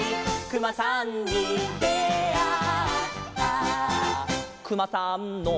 「くまさんの」